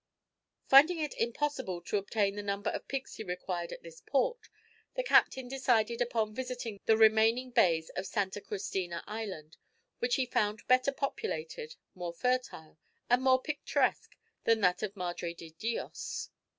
Finding it impossible to obtain the number of pigs he required at this port, the captain decided upon visiting the remaining bays of Santa Cristina Island, which he found better populated, more fertile, and more picturesque than that of Madre de Dios.